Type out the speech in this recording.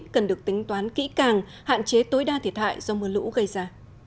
cần được tính toán kỹ càng hạn chế tối đa thiệt hại do mưa lũ gây ra